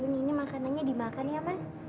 mas erwin ini makanannya dimakan ya mas